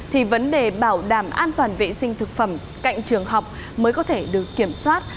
thì vấn đề bảo đảm an toàn vệ sinh thực phẩm cạnh trường học mới có thể được kiểm soát